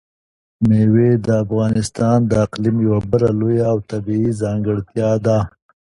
مېوې د افغانستان د اقلیم یوه بله لویه او طبیعي ځانګړتیا ده.